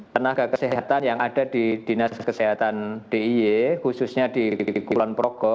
tenaga kesehatan yang ada di dinas kesehatan dii khususnya di kulon proko